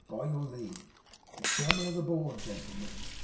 by your leave! The Chairman of the Board, Gentle MEN!